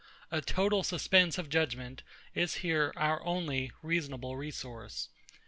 A total suspense of judgement is here our only reasonable resource.